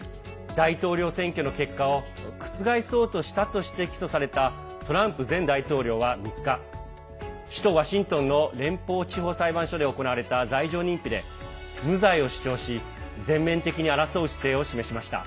大統領選挙の結果を覆そうとしたとして起訴されたトランプ前大統領は３日首都ワシントンの連邦地方裁判所で行われた罪状認否で無罪を主張し全面的に争う姿勢を示しました。